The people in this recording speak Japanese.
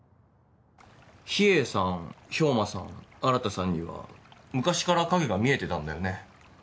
秘影さん兵馬さん新さんには昔から影が見えてたんだよね？